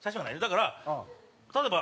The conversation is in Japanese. だから例えば。